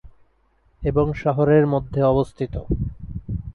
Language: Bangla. এবং শহরের মধ্যে অবস্থিত।